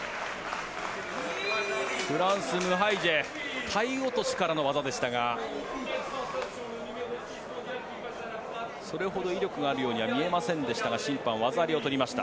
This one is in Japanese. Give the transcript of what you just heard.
フランス、ムハイジェ体落としからの技でしたがそれほど威力があるようには見えませんでしたが審判、技ありを取りました。